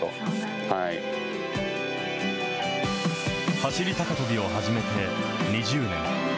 走り高跳びを始めて２０年。